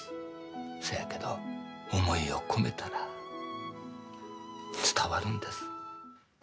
せやけど、思いを込めたら伝わるんです。